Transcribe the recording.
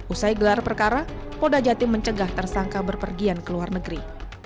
usai gelar perkara polda jatim mencegah tersangka berpergian ke luar negeri